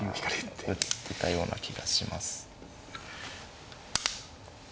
まあ打ってたような気がします。